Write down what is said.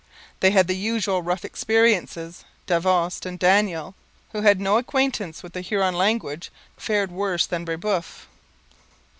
They had the usual rough experiences. Davost and Daniel, who had no acquaintance with the Huron language, fared worse than Brebeuf.